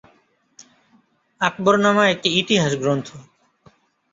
আকবরনামা একটি ইতিহাস গ্রন্থ।